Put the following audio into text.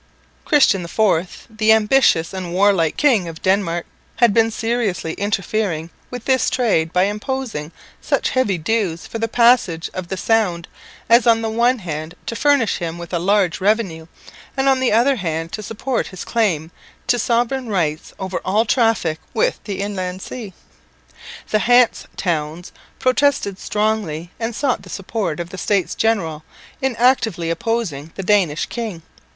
Christian IV, the ambitious and warlike King of Denmark, had been seriously interfering with this trade by imposing such heavy dues for the passage of the Sound as on the one hand to furnish him with a large revenue, and on the other hand to support his claim to sovereign rights over all traffic with the inland sea. The Hanse towns protested strongly and sought the support of the States General in actively opposing the Danish king.